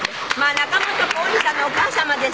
仲本工事さんのお母様です。